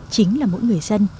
chính là mỗi người dân